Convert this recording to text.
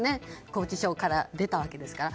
拘置所から出たわけですから。